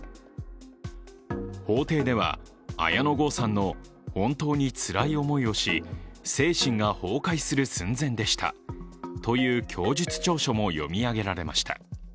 法廷では、綾野剛さんの本当につらい思いをし精神が崩壊する寸前でしたという供述調書も読み上げられました。